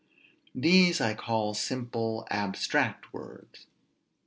These I call simple abstract words.